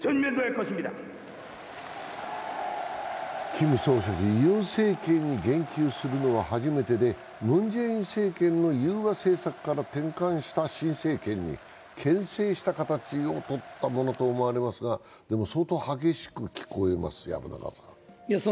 キム総書記がユン政権に言及するのは初めてでムン・ジェイン政権の宥和政策から転換した新政権にけん制した形をとったものと思われますが相当激しく聞こえますが。